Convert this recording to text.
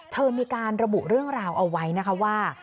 เธอมีการระบุเรื่องราวเอาไว้นะคะว่า